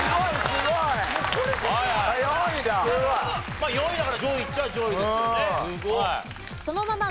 すごい！４位だから上位っちゃ上位ですよね。